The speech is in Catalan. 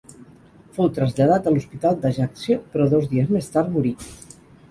Fou traslladat a l'hospital d'Ajaccio, però dos dies més tard morí.